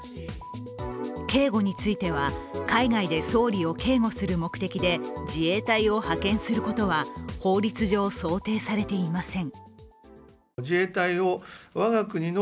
警護については海外で総理を警護する目的で自衛隊を派遣することは法律上、想定されていません。